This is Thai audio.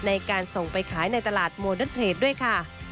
ในการส่งไปขายในตลาดโมเดิร์นเพลจด้วยค่ะ